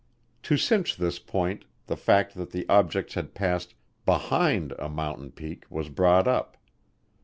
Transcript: To cinch this point the fact that the objects had passed behind a mountain peak was brought up.